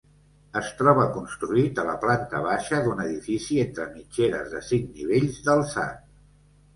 Es troba construït a la planta baixa d'un edifici entre mitgeres de cinc nivells d'alçat.